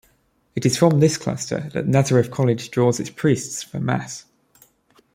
It is from this cluster that Nazareth College draws its priests for mass.